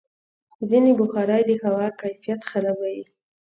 ځینې بخارۍ د هوا کیفیت خرابوي.